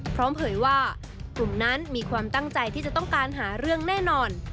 เผยว่ากลุ่มนั้นมีความตั้งใจที่จะต้องการหาเรื่องแน่นอน